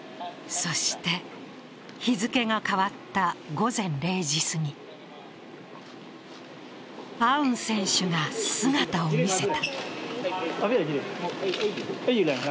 そして、日付が変わった午前０時すぎアウン選手が姿を見せた。